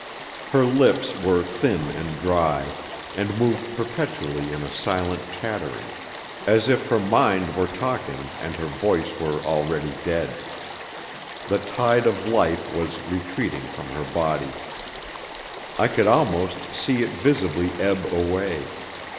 Her lips were thin and dry, and moved perpetually in a silent chattering, as if her mind were talking and her voice were already dead. The tide of life was retreating from her body. I could almost see it visibly ebb away.